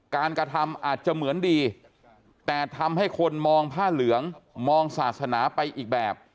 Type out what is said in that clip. กระทำอาจจะเหมือนดีแต่ทำให้คนมองผ้าเหลืองมองศาสนาไปอีกแบบ